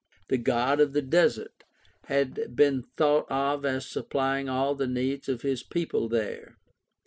The God of the desert had been thought of as supplying all the needs of his people there.